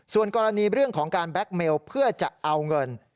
ส่วนกรณีเรื่องของการแบ็คเมลเพื่อจะเอาเงิน